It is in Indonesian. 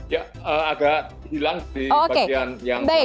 ya agak hilang di bagian yang